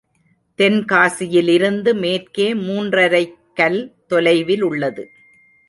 தென்காசியிலிருந்து மேற்கே மூன்றரைக்கல் தொலைவிலுள்ளது.